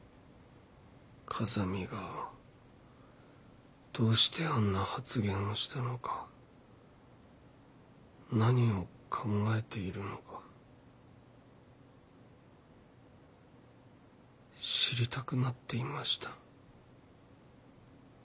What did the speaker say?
風見がどうしてあんな発言をしたのか何を考えているのか知りたくなっていました。